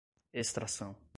extração